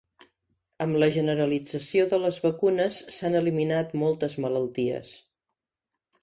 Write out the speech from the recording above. Amb la generalització de les vacunes s'han eliminat moltes malalties.